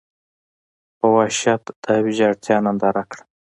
په وحشت دا ویجاړتیا ننداره کړه.